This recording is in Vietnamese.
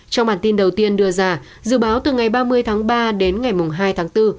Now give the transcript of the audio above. trong bản tin đầu tiên đưa ra dự báo từ ngày ba mươi tháng ba đến ngày hai tháng bốn